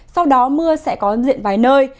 sau đó mưa sẽ có diện vài nơi